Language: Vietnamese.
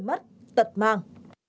mất tật mạng